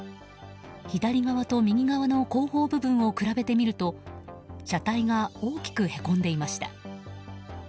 左側と右側の後方部分を比べてみると車体が大きくへこんでいました。